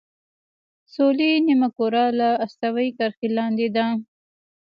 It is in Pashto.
سویلي نیمهکره له استوایي کرښې لاندې ده.